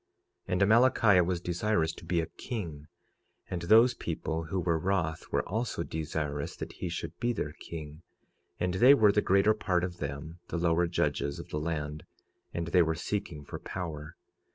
46:4 And Amalickiah was desirous to be a king; and those people who were wroth were also desirous that he should be their king; and they were the greater part of them the lower judges of the land, and they were seeking for power.